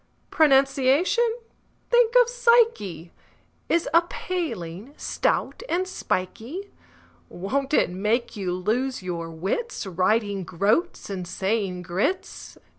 Pronunciation—think of psyche!— Is a paling, stout and spikey; Won't it make you lose your wits, Writing "groats" and saying groats?